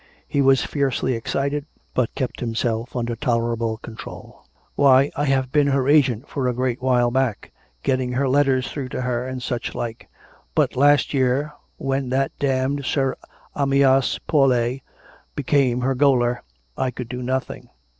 He was fiercely excited; but kept himself under tolerable control. " Why, I have been her agent for a great while back, getting her letters through to her, and such like. But last year, when that damned Sir Amyas Paulet became her gaoler, I could do nothing.